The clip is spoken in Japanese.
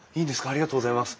ありがとうございます！